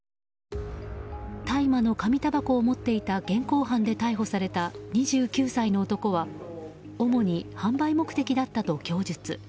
大麻の紙たばこを持っていた現行犯で逮捕された２９歳の男は主に販売目的だったと供述。